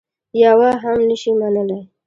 یوه هم نه شي منلای.